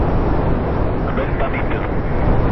Me benn pam ite.